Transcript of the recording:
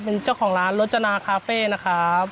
เป็นเจ้าของร้านรจนาคาเฟ่นะครับ